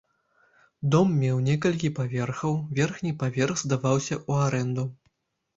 Дом меў некалькі паверхаў, верхні паверх здаваўся ў арэнду.